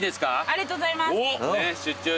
ありがとうございます。